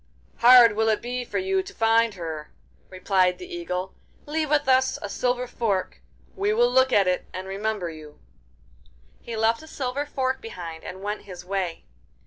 'Hard will it be for you to find her,' replied the Eagle. 'Leave with us a silver fork. We will look at it and remember you.' He left a silver fork behind, and went his way.